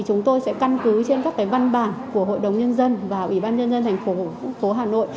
chúng tôi sẽ căn cứ trên các văn bản của hội đồng nhân dân và ủy ban nhân dân thành phố hà nội